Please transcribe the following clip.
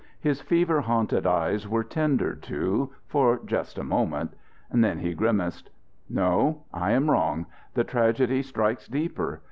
His fever haunted eyes were tender, too, for just a moment. Then he grimaced. "No, I am wrong the tragedy strikes deeper.